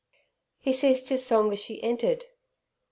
He ceased his song as she entered.